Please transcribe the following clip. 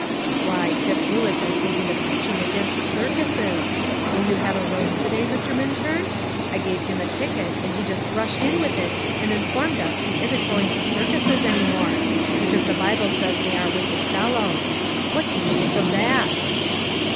"Why, Tip Lewis has taken to preaching against circuses. Will you have a roast to day, Mr. Minturn? I gave him a ticket, and he just rushed in with it and informed us he wasn't going to circuses any more, because the Bible says they are wicked fellows. What do you think of that?"